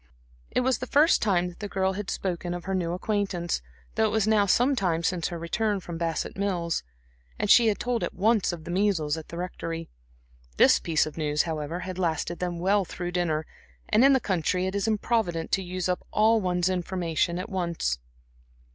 It was the first time that the girl had spoken of her new acquaintance, though it was now some time since her return from Bassett Mills, and she had told at once of the measles at the Rectory. This piece of news, however, had lasted them well through dinner, and in the country it is improvident to use up all one's information at once.